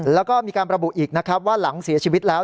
แล้วก็มีการระบุอีกนะครับว่าหลังเสียชีวิตแล้ว